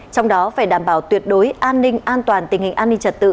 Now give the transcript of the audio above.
trong đó phải đảm bảo tuyệt đối an ninh an toàn tình hình an ninh trật tự